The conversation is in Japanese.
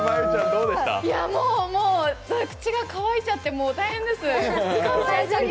もうもう、口が渇いちゃって大変です。